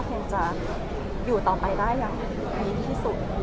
ยังจะอยู่ต่อไปได้อย่างดีที่สุด